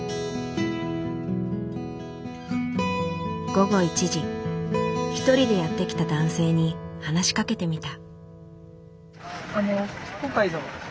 午後１時１人でやって来た男性に話しかけてみた。